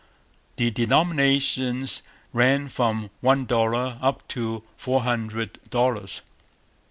The denominations ran from one dollar up to four hundred dollars.